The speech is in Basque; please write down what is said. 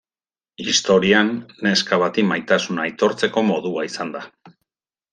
Historian, neska bati maitasuna aitortzeko modua izan da.